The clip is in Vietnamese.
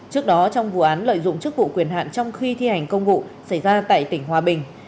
trước đó trong vụ án lợi dụng chức vụ quyền hạn trong khi thi hành công vụ xảy ra tại tỉnh hòa bình